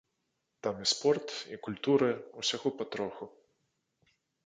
Там і спорт, і культура, усяго патроху.